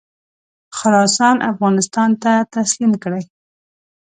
خراسان افغانستان ته تسلیم کړي.